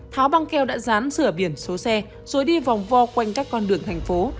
tháo băng keo đã dán sửa biển số xe rồi đi vòng vo quanh các con đường thành phố